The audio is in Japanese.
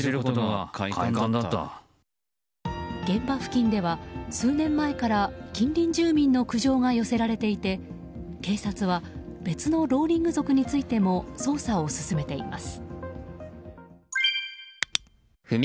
現場付近では数年前から近隣住民の苦情が寄せられていて警察は別のローリング族についても捜査を進めています。